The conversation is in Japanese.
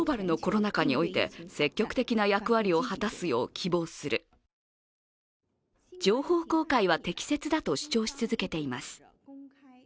一方で中国政府は情報公開は適切だと主張し続けています。